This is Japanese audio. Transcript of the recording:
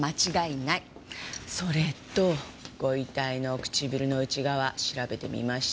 それとご遺体の唇の内側調べてみました。